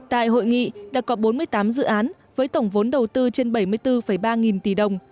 tại hội nghị đã có bốn mươi tám dự án với tổng vốn đầu tư trên bảy mươi bốn ba nghìn tỷ đồng